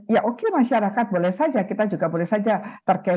ya oke masyarakat boleh saja kita juga boleh saja terkejut